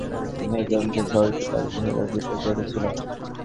শোনো, আমাদের মধ্যে অনেকেই এখানে জন্মেছে, শহরকে তার সেরা রুপে দেখেছিলাম।